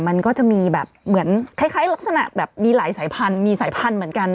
มันก็จะมีแบบเหมือนคล้ายลักษณะแบบมีหลายสายพันธุ์มีสายพันธุ์เหมือนกัน